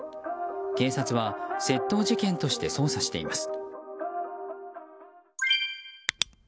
警察は窃盗事件として捜査しています。